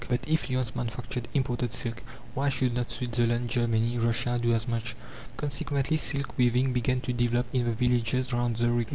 But if Lyons manufactured imported silk, why should not Switzerland, Germany, Russia, do as much? Consequently, silk weaving began to develop in the villages round Zurich.